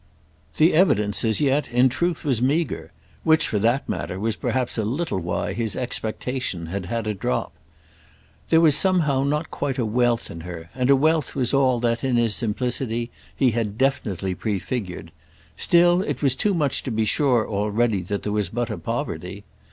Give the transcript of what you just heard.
The evidence as yet in truth was meagre; which, for that matter, was perhaps a little why his expectation had had a drop. There was somehow not quite a wealth in her; and a wealth was all that, in his simplicity, he had definitely prefigured. Still, it was too much to be sure already that there was but a poverty.